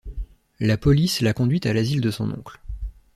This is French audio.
La police la conduit à l'asile de son oncle.